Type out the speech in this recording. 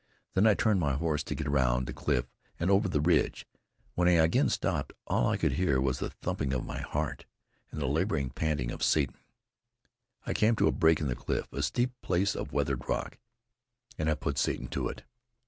Then I turned my horse to get round the cliff and over the ridge. When I again stopped, all I could hear was the thumping of my heart and the labored panting of Satan. I came to a break in the cliff, a steep place of weathered rock, and I put Satan to it.